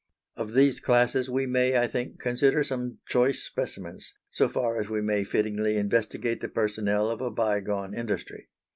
Of these classes we may I think consider some choice specimens so far as we may fittingly investigate the personnel of a by gone industry.